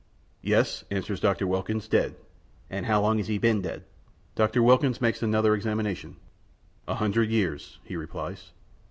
'Yes,' answers Dr. Wilkins, 'dead!' 'And how long has he been dead?' Dr. Wilkins makes another examination. 'A hundred years,' he replies."